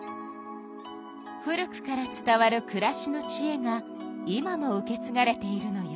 古くから伝わるくらしのちえが今も受けつがれているのよ。